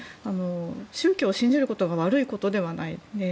宗教を信じることが悪いことではない。